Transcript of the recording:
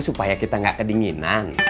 supaya kita gak kedinginan